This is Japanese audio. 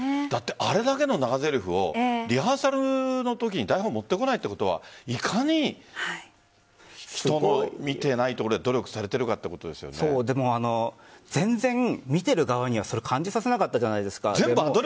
あれだけの長ぜりふをリハーサルのときに台本、持ってこないってことはいかに人の見ていないところで努力されているか見てる側には感じさせなかったんじゃないですか。